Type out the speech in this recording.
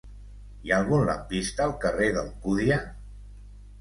Hi ha algun lampista al carrer d'Alcúdia?